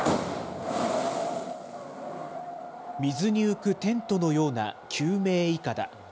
水に浮くテントのような救命いかだ。